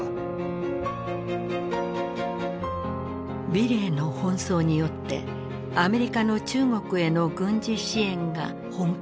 美齢の奔走によってアメリカの中国への軍事支援が本格化した。